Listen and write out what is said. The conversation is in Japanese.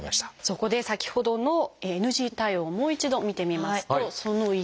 そこで先ほどのＮＧ対応をもう一度見てみますとその１です。